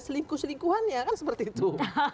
selingkuh selingkuhannya kan seperti itu